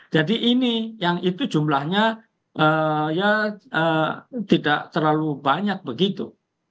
jadi ini yang itu jumlahnya ya tidak terlalu banyak begitu